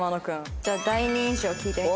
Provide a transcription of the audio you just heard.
じゃあ第二印象聞いてみます。